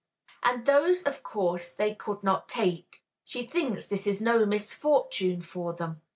and those of course they could not take. She thinks this is no misfortune for them.